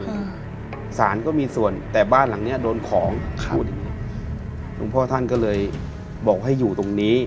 สารก็มีส่วนแต่บ้านหลังเนี้ยโดนของขาดอย่างงี้หลวงพ่อท่านก็เลยบอกให้อยู่ตรงนี้